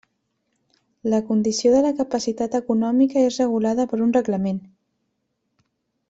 La condició de la capacitat econòmica és regulada per un reglament.